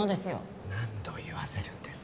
何度言わせるんですか。